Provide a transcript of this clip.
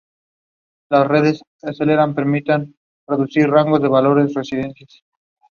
Max Telecom was later sold to Vodafone and became Vodafone India.